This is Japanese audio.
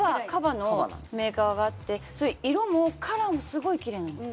カバのメーカーがあって色もカラーもすごいきれいなの。